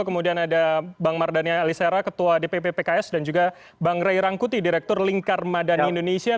kemudian ada bang mardhani alisera ketua dpp pks dan juga bang ray rangkuti direktur lingkar madani indonesia